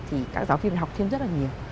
thì các giáo viên học thêm rất là nhiều